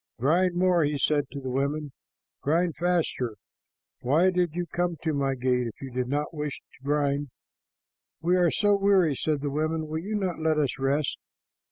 "Grind more," he said to the women. "Grind faster. Why did you come to my gate if you did not wish to grind?" "We are so weary," said the women. "Will you not let us rest?"